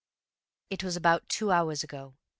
"It was about two hours ago.